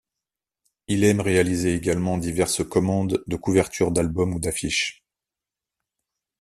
Il aime réaliser également diverses commandes de couvertures d’albums ou d’affiches.